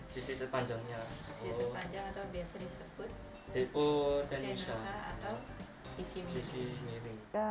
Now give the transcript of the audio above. sisi terpanjangnya atau biasa disebut tenisa atau sisi mirip